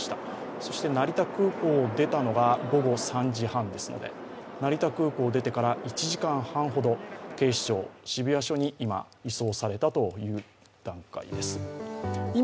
そして成田空港を出たのが午後３時半ですので、成田空港を出てから１時間半ほど警視庁渋谷署に今、移送されたという段階です。